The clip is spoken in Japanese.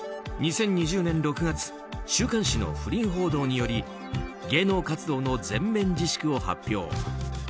２０２０年６月週刊誌の不倫報道により芸能活動の全面自粛を発表。